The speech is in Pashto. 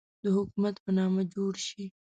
د حکومت په نامه جوړ شي.